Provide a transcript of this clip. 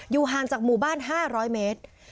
ห่างจากหมู่บ้าน๕๐๐เมตร